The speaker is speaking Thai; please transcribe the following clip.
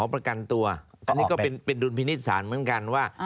ประกันตัวก็ต้องเป็นดูลพินิตศานเหมือนกันว่า